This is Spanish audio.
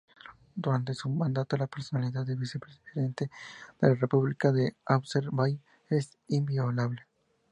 Durante su mandato la personalidad del Vicepresidente de la República de Azerbaiyán es inviolable.